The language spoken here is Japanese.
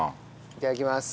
いただきます。